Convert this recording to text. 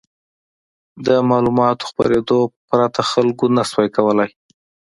د معلوماتو خپرېدو پرته خلکو نه شوای کولای.